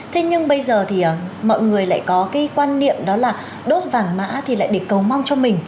thế nhưng bây giờ thì mọi người lại có cái quan niệm đó là đốt vàng mã thì lại để cầu mong cho mình